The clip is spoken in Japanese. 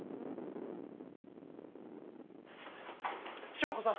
祥子さん！